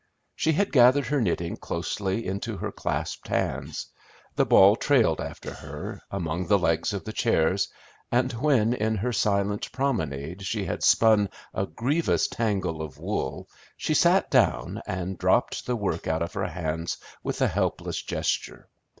She had gathered her knitting closely into her clasped hands; the ball trailed after her, among the legs of the chairs, and when in her silent promenade she had spun a grievous tangle of wool she sat down, and dropped the work out of her hands with a helpless gesture.